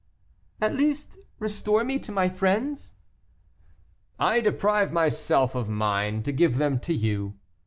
"At least restore me to my friends." "I deprive myself of mine to give them to you."